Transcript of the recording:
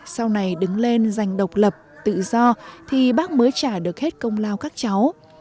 sau này đứng lên giành độc lập tự do thì bác mới trả được hết công lao các cháu